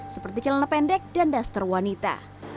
seperti celana pendek dan duster wanita